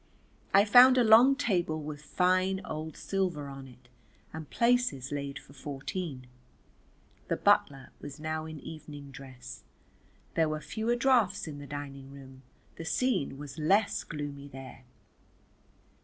I found a long table with fine old silver on it and places laid for fourteen. The butler was now in evening dress, there were fewer draughts in the dining room, the scene was less gloomy there.